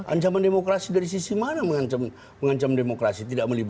ancaman demokrasi dari sisi mana mengancam demokrasi